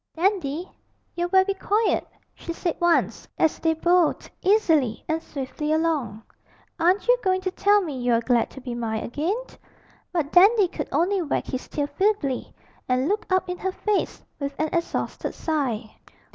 'Dandy, you're very quiet,' she said once, as they bowled easily and swiftly along. 'Aren't you going to tell me you're glad to be mine again?' But Dandy could only wag his tail feebly and look up in her face with an exhausted sigh.